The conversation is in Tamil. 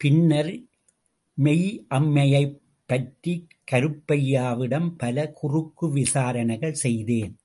பின்னர் மெய்யம்மையைப் பற்றி கருப்பையாவிடம் பல குறுக்கு விசாரணைகள் செய்தேன்.